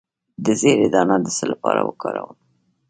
د زیرې دانه د څه لپاره وکاروم؟